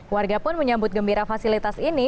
warga pun menyambut gembira fasilitas ini